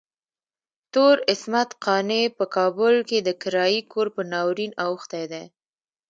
تور عصمت قانع په کابل کې د کرايي کور په ناورين اوښتی دی.